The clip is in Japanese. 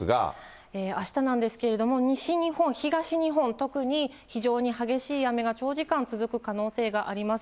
あしたなんですけれども、西日本、東日本、特に非常に激しい雨が長時間続く可能性があります。